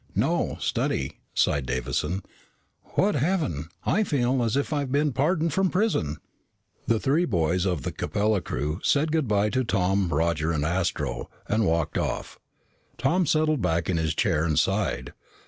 "No study," sighed Davison. "What heaven! I feel as if I've been pardoned from prison." The three boys of the Capella crew said good by to Tom, Roger, and Astro, and walked off. Tom settled back in his chair and sighed.